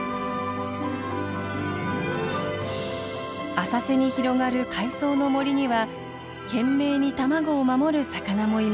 浅瀬に広がる海藻の森には懸命に卵を守る魚もいます。